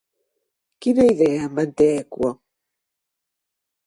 Quina idea manté Equo?